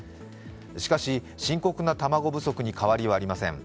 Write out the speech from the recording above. しかし、深刻な卵不足に変わりはありません。